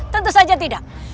tentu saja tidak